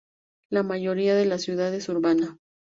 La mayoría de la ciudad es urbana.